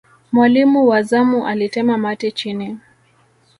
mwalimu wa zamu alitema mate chini